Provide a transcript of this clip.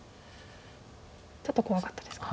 ちょっと怖かったですか。